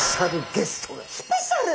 スペシャル？